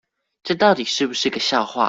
這到底是不是個笑話